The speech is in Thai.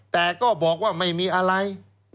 แต่ก็บอกว่าไม่มีอะไร